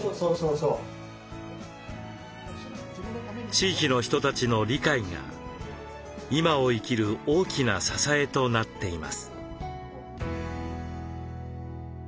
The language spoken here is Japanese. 地域の人たちの理解が今を生きる大きな支えとなっています。